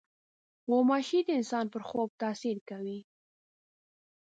غوماشې د انسان پر خوب تاثیر کوي.